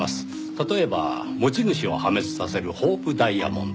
例えば持ち主を破滅させるホープダイヤモンド。